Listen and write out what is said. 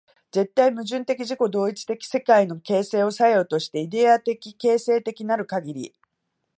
絶対矛盾的自己同一的世界の形成作用として、イデヤ的形成的なるかぎり、